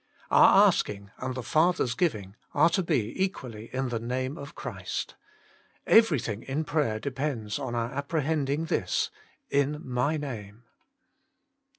Our asking and the Father s giving are to be equally in the Name of Christ. Everything in prayer depends upon our apprehending this In My Name.